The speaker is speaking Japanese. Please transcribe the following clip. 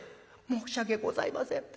「申し訳ございません。